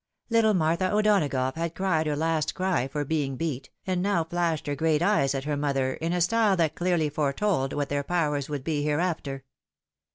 Little Martha O'Donagough had cried her last cry for being beat, and now flashed her great eyes at her mother in a style that clearly foretold what their powers would be hereafter.